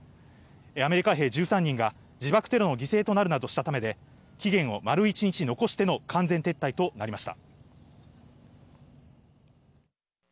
アメリカ兵１３人が自爆テロの犠牲になるなどしたためで、期限を丸一日残しての完全撤退となりました。